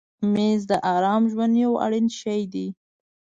مېز د آرام ژوند یو اړین شی دی.